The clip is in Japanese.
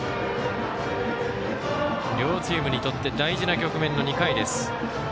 両チームにとって大事な局面の２回です。